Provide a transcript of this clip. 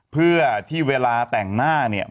เพื่อที่เวลาแต่งหน้าเนี่ย